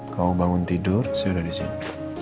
kamu bangun tidur saya udah disini